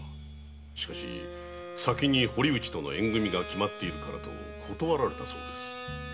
しかしもう縁組みが決まっているからと断られたそうです。